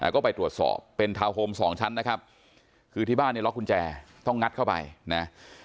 ก็ไปตรวจสอบเป็นทาวน์โฮมสองชั้นนะครับคือที่บ้านเนี่ยล็อกกุญแจต้องงัดเข้าไปนะ